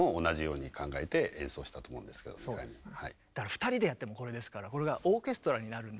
だから２人でやってもこれですからこれがオーケストラになるんで。